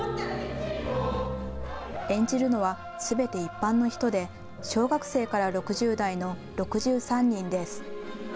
演じるのはすべて一般の人で小学生から６０代の６３人です。